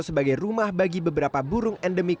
sebagai rumah bagi beberapa burung endemik